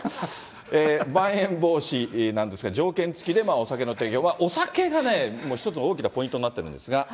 まん延防止なんですが、条件付きでお酒の提供が、お酒が一つの大きなポイントになってるんですが。